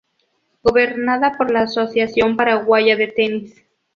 Gobernada por la Asociación Paraguaya de Tenis.